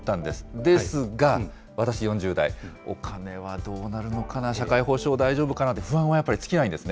ですが、私４０代、お金はどうなるのかな、社会保障大丈夫かなと、不安はやっぱり尽きないんですね。